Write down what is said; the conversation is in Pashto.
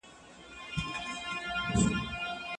ورزش کول د انسان د بدن عضلې او روح تل تازه ساتي.